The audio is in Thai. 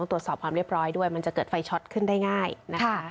ตรวจสอบความเรียบร้อยด้วยมันจะเกิดไฟช็อตขึ้นได้ง่ายนะคะ